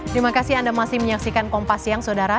terima kasih anda masih menyaksikan kompas siang saudara